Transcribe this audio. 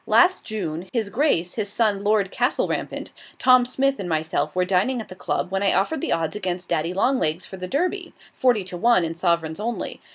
Last June, his Grace, his son Lord Castlerampant, Tom Smith, and myself were dining at the Club, when I offered the odds against DADDYLONGLEGS for the Derby forty to one, in sovereigns only.